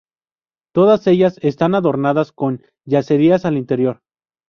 Todas ellas están adornadas con yeserías al interior.